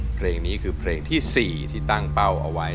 เพลงนี้คือเพลงที่๔ที่ตั้งเป้าเอาไว้